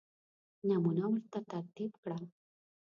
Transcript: نمونه ورته ترتیب کړه.